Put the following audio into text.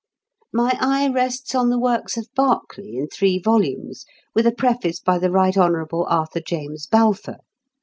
My eye rests on the works of Berkeley in three volumes, with a preface by the Right Honourable Arthur James Balfour.